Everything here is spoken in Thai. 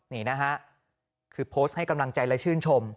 นี่นะฮะคือโพสต์ให้กำลังใจและชื่นชม